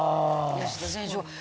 吉田選手。